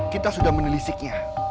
kita sudah menelisiknya